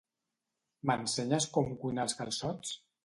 M'ensenyes com cuinar els calçots?